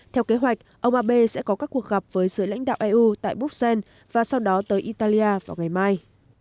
theo kế hoạch ông abe sẽ có các cuộc gặp với giới lãnh đạo eu tại bruxelles và sau đó tới italia vào ngày mai